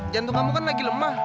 jantung kamu kan lagi lemah